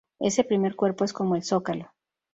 Ese primer cuerpo es como el zócalo.